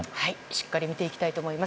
しっかり見ていきたいと思います。